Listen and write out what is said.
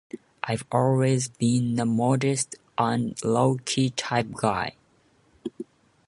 I've always been a modest and low-key type guy.